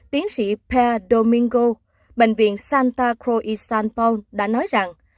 tiến sĩ per domingo bệnh viện santa cruz san paul đã nói rằng